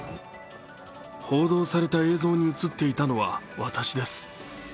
報道された映像に映っていたのは私です。